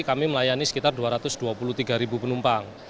kami melayani sekitar dua ratus dua puluh tiga penumpang